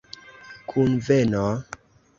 kunveno